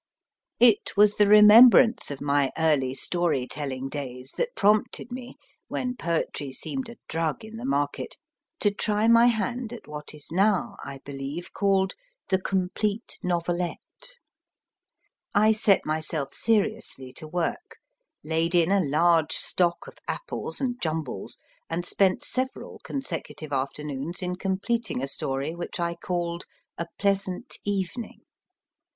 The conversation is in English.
It was the remembrance of my early story telling days that prompted me, when poetry seemed a drug in the market, to try my hand at what is now, I believe, called The Complete Novelette/ I set myself seriously to work, laid in a large stock of apples and jumbles, and spent several consecutive afternoons in completing a story which I called A Pleasant Evening.